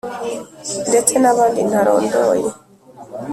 Ndetse n’abandi ntarondoye